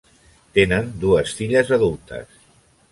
Tenen dues filles adultes.